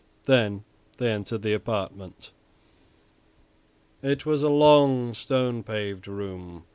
Then they entered the apartment. It was a long, stone paved room.